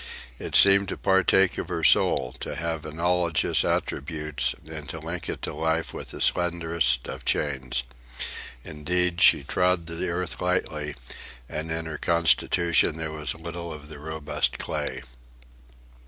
It seemed to partake of her soul, to have analogous attributes, and to link it to life with the slenderest of chains. Indeed, she trod the earth lightly, and in her constitution there was little of the robust clay.